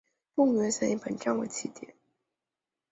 动物园线以本站为起点。